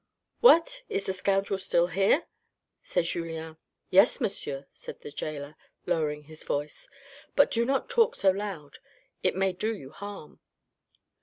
" What, is that scoundrel still here ?" said Julien. " Yes, monsieur," said the gaoler, lowering his voice. " But do not talk so loud, it may do you harm."